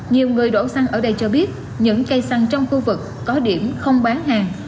nhiều người đổ săn ở đây cho biết những cây săn trong khu vực có điểm không bán hàng